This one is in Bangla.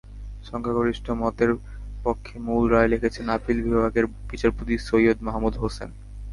সংখ্যাগরিষ্ঠ মতের পক্ষে মূল রায় লিখেছেন আপিল বিভাগের বিচারপতি সৈয়দ মাহমুদ হোসেন।